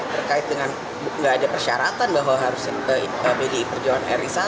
terkait dengan nggak ada persyaratan bahwa harusnya pdi perjuangan ri satu